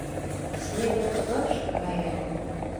Снеге погаш каяльым.